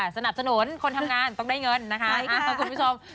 สนับสนุนคนทำงานต้องได้เงินนะคะคุณผู้ชม